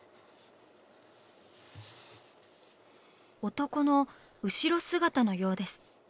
男の後ろ姿のようです。